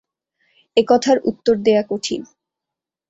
এ কথার উত্তর দেওয়া কঠিন।